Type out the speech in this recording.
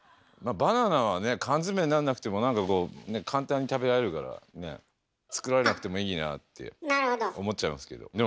まあバナナはね缶詰になんなくても何かこうねっ簡単に食べられるから作らなくてもいいなあって思っちゃいますけど。